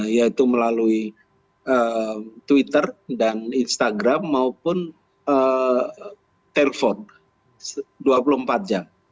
yaitu melalui twitter dan instagram maupun telepon dua puluh empat jam